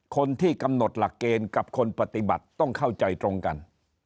คนที่กำหนดหลักเกณฑ์กับคนปฏิบัติต้องเข้าใจตรงกัน